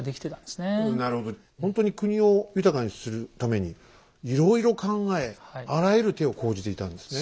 ほんとに国を豊かにするためにいろいろ考えあらゆる手を講じていたんですね。